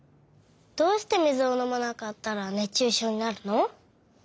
どうしてみずをのまなかったら熱中症になるの？